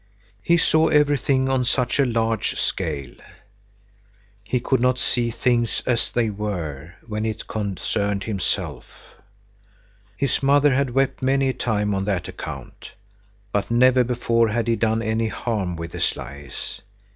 He saw everything on such a large scale. He could not see things as they were, when it concerned himself. His mother had wept many a time on that account. But never before had he done any harm with his lies.